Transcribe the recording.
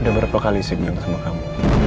udah berapa kali saya bilang sama kamu